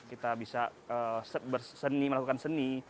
kita bisa berseni melakukan seni